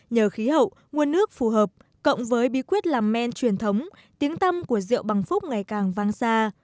nhờ khí hậu nguồn nước phù hợp cộng với bí quyết làm men truyền thống tiếng tâm của rượu bằng phúc ngày càng vang xa